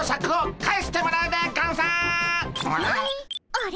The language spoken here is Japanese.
あれ？